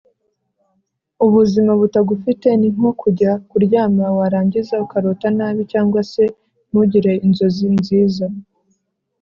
Ubuzima butagufite ni nko kujya kuryama warangiza ukarota nabi cyangwa se ntugire inzozi nziza